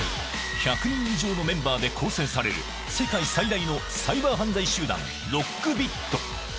１００人以上のメンバーで構成される世界最大のサイバー犯罪集団、ロックビット。